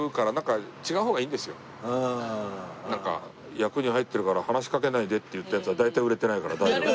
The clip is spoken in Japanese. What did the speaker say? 役に入ってるから話しかけないでって言ったヤツは大体売れてないから大丈夫。